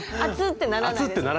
ってならないですね。